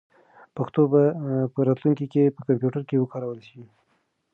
پښتو به په راتلونکي کې په کمپیوټر کې وکارول شي.